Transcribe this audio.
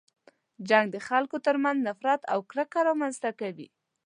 جنګ د خلکو تر منځ نفرت او کرکه رامنځته کوي.